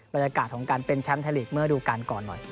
บรรยากาศของการเป็นแชมป์ไทยลีกเมื่อดูการก่อนหน่อย